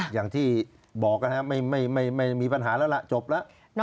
อย่างที่บอกนะครับไม่มีปัญหาแล้วล่ะจบแล้ว